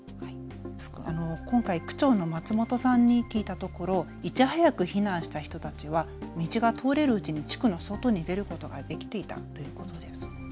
今回、区長の松本さんに聞いたところ、いち早く避難した人たちは道が通れるうちに地区の外に出ることができていたということです。